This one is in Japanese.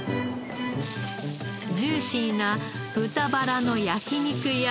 ジューシーな豚バラの焼き肉や。